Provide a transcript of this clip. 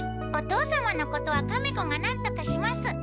お父様のことはカメ子がなんとかします。